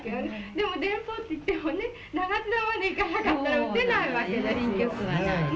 でも電報っていってもね、長津田まで行かなかったら打てないわけですよ。